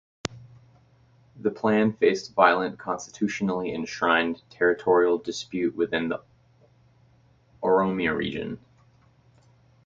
The plan faced violent constitutionally enshrined territorial dispute within the Oromia region.